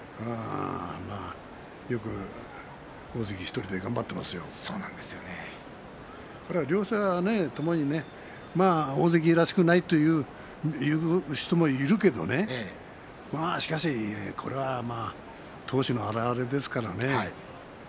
よく大関１人で頑張っていますよ。両者ともに大関らしくないという人もいるけどねしかし、これは闘志の表れですからね。